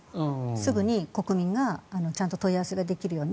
すぐにちゃんと国民がちゃんと問い合わせができるように。